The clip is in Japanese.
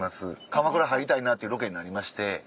かまくら入りたいなっていうロケになりまして。